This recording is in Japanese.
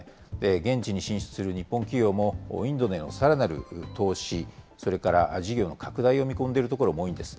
現地に進出する日本企業も、インドでのさらなる投資、それから事業の拡大を見込んでいるところも多いんです。